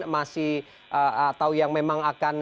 masih atau yang memang akan